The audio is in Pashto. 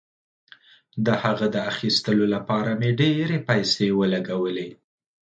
د هغه د اخیستلو لپاره مې ډیرې پیسې ولګولې.